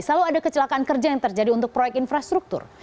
selalu ada kecelakaan kerja yang terjadi untuk proyek infrastruktur